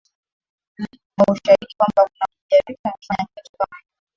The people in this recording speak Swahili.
na ushahidi kwamba kuna mmoja wetu amefanya kitu kama hiyo